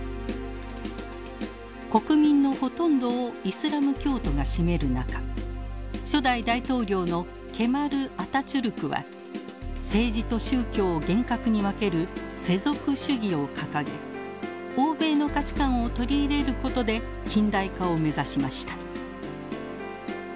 国民のほとんどをイスラム教徒が占める中初代大統領のケマル・アタチュルクは政治と宗教を厳格に分ける世俗主義を掲げ欧米の価値観を取り入れることで近代化を目指しました。